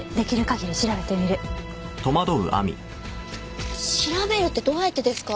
調べるってどうやってですか？